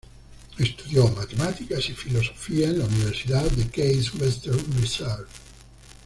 Estudió Matemáticas y Filosofía en la Universidad de Case Western Reserve.